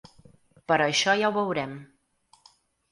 Però això ja ho veurem.